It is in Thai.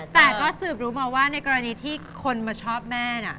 สิดหวับรู้ไหมว่ากรณีที่คนมาชอบแม่